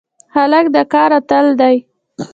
هلک د کار اتل دی.